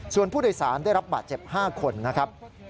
ส่วนผู้โดยสารได้รับบาดเจ็บ๕คนนะครับ